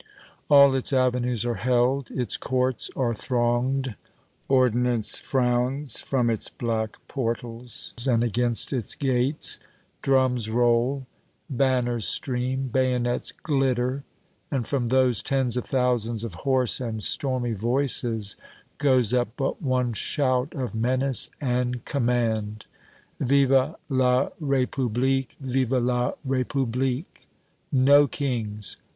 All its avenues are held; its courts are thronged; ordnance frowns from its black portals and against its gates; drums roll banners stream bayonets glitter; and from those tens of thousands of hoarse and stormy voices goes up but one shout of menace and command: "Vive la République! Vive la République! No kings!